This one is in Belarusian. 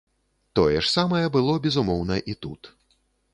Тое ж самае было, безумоўна, і тут.